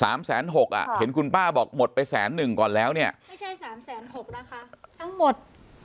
๓๖๐๐๐๐อ่ะเห็นคุณป้าบอกหมดไป๑๐๑๐๐๐ก่อนแล้วเนี่ยไม่ใช่๓๖๐๐๐๐นะคะทั้งหมด